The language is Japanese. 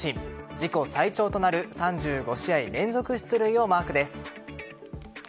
自己最長となる３５試合連続出塁をマークです。